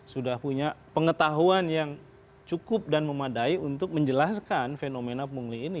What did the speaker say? sudah punya pengetahuan yang cukup dan memadai untuk menjelaskan fenomena pungli ini